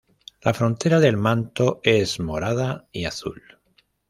La frontera del manto es morada y azul.